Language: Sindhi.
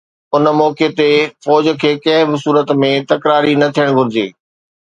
ان موقعي تي فوج کي ڪنهن به صورت ۾ تڪراري نه ٿيڻ گهرجي.